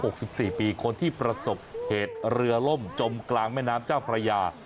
รักกุลอายุ๖๔ปีคนที่ประสบเหตุเรือล่มจมกลางแม่น้ำเจ้าพระยา